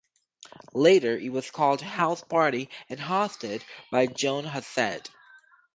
Later it was called "House Party" and hosted by John Hassett.